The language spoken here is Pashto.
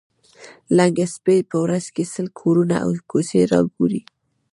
لنګه سپۍ په ورځ کې سل کورونه او کوڅې را ګوري.